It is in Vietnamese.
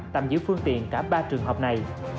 tạm giữ phương tiện cả ba trường hợp này